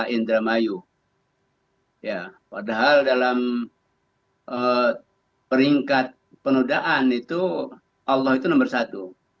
ya padahal dalam peringkat penodaan itu allah itu nomor satu